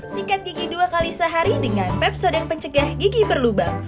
sikat gigi dua kali sehari dengan pepso dan pencegah gigi berlubang